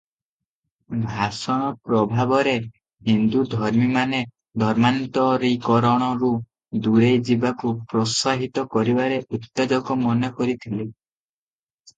ଭାଷଣ ପ୍ରଭାବରେ ହିନ୍ଦୁ ଧର୍ମୀମାନେ ଧର୍ମାନ୍ତରୀକରଣରୁ ଦୂରେଇ ଯିବାକୁ ପ୍ରୋତ୍ସାହିତ କରିବାରେ ଉତ୍ତେଜକ ମନେକରିଥିଲେ ।